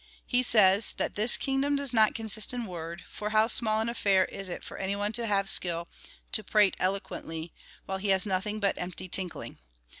He says that this kingdom does not consist in word, for how small an affair is it for any one to have skill to prate eloquently, while he has nothing but empty tinkling.